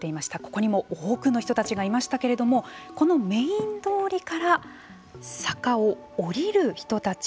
ここにも多くの人たちがいましたけれどもこのメイン通りから坂を下りる人たち